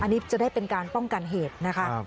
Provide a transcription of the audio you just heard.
อันนี้จะได้เป็นการป้องกันเหตุนะคะ